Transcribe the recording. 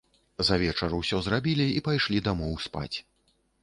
За вечар усё зрабілі і пайшлі дамоў спаць.